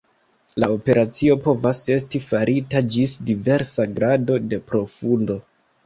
La operacio povas esti farita ĝis diversa grado de profundo.